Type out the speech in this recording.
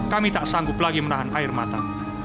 kami tak sanggup lagi menahan air mata